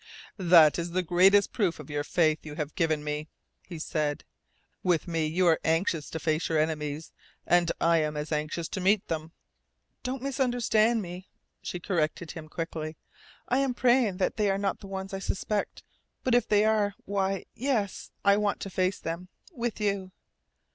"That is the greatest proof of your faith you have given me," he said. "With me you are anxious to face your enemies. And I am as anxious to meet them." "Don't misunderstand me," she corrected him quickly. "I am praying that they are not the ones I suspect. But if they are why, yes, I want to face them with you."